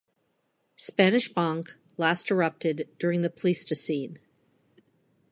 Spanish Bonk last erupted during the Pleistocene.